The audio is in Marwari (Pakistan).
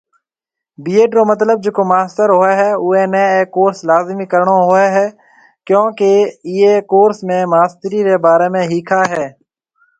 بِي۔ اَيڊ رو متلب جيڪو ماستر هوئي هيَ اُئي نَي اَي ڪورس لازمِي ڪرڻو هوئي هيَ ڪنو ڪي ايئي ڪورس ۾ ماسترِي ري باري ۾ هِيکائي هيَ۔